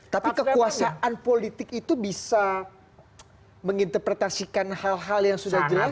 tapi kekuasaan politik itu bisa menginterpretasikan hal hal yang sudah jelas